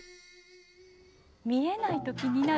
見えないと気になる。